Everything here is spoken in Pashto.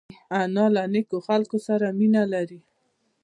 انا له نیکو خلکو سره مینه لري